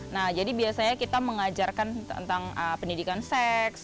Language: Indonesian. nah jadi biasanya kita mengajarkan tentang pendidikan seks